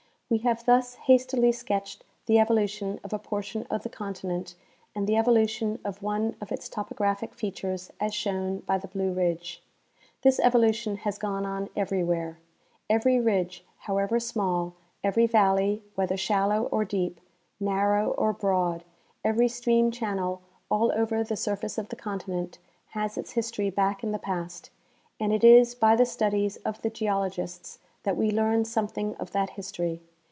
We have thus hastily sketched the evolution of a portion of the continent and the evolution of one of its topographic fea tures as shown by the Blue ridge. This evolution has gone on everywhere. Every ridge, however small ; every valley, whether shallow or deep, narroAV or broad ; every stream channel all over the surface of the continent, has its history back in the past, and it is by the studies of the geologists that we learn something of that history.